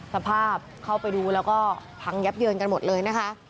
สภาพเข้าไปดูแล้วก็พังยับเยินกันหมดเลยนะคะ